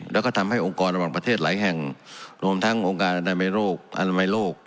แล้วก็ทำให้องค์กรระหว่างประเทศหลายแห่งรวมทั้งองค์การอนามัยโรคอนามัยโลก